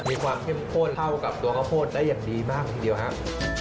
มีความเข้มข้นเท่ากับตัวข้าวโพดได้อย่างดีมากทีเดียวครับ